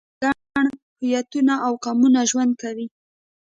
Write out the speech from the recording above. په دې هېواد کې ګڼ هویتونه او قومونه ژوند کوي.